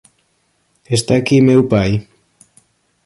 Está aquí meu pai?